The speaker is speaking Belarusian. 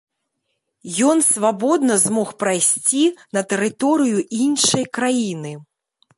Ён свабодна змог прайсці на тэрыторыю іншай краіны.